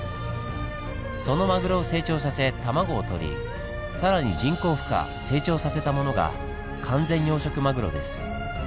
そのマグロを成長させ卵をとり更に人工ふ化・成長させたものが完全養殖マグロです。